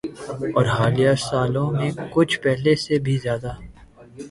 اورحالیہ سالوں میں کچھ پہلے سے بھی زیادہ۔